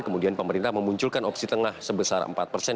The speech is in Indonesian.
kemudian pemerintah memunculkan opsi tengah sebesar empat persen